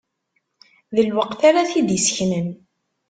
D lwaqt ara t-id-iseknen.